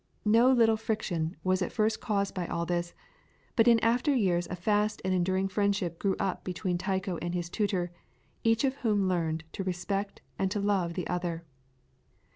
No little friction was at first caused by all this, but in after years a fast and enduring friendship grew up between Tycho and his tutor, each of whom learned to respect and to love the other.